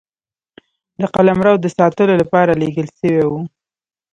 د قلمرو د ساتلو لپاره لېږل سوي وه.